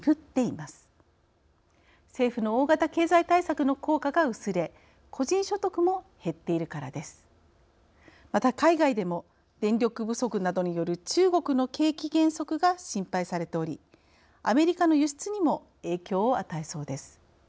また海外でも電力不足などによる中国の景気減速が心配されておりアメリカの輸出にも影響を与えそうです。